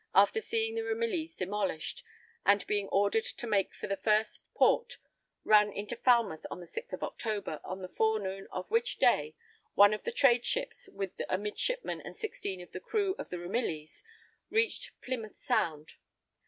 after seeing the Ramillies demolished, and being ordered to make for the first port, ran into Falmouth the 6th of October, on the afternoon of which day, one of the trade ships, with a midshipman and sixteen of the crew of the Ramillies, reached Plymouth Sound.